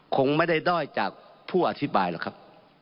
คงไม่ได้ด้อยจากผู้อธิบายหรอกครับ